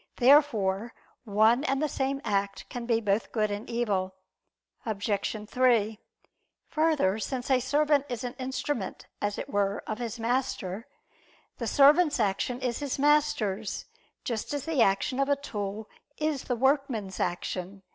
Therefore one and the same act can be both good and evil. Obj. 3: Further, since a servant is an instrument, as it were, of his master, the servant's action is his master's, just as the action of a tool is the workman's action.